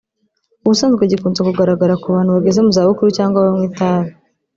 ubusanzwe gikunze kugaragara ku bantu bageze mu zabukuru cyangwa abanywi b’itabi